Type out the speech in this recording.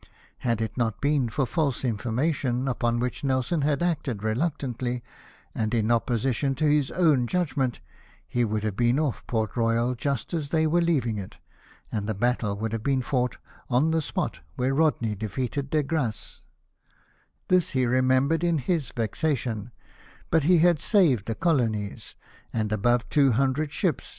Had it not been for false information, upon which Nelson had acted reluctantly, and in opposition to his own judgment, he would have been off Port Royal just as they were leaving it, and the battle would have been fought on the spot where Rodney defeated De Grasse This he remembered in his vexation, but he had saved the colonies, and above two hundred ships PURSUIT OF THE ENEMY.